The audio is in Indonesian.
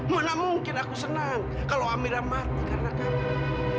mana mungkin aku senang kalau amira mati karena kamu